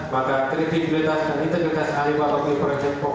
maka kredibilitas dan integritas ahli patologi prasik prof beng beng ong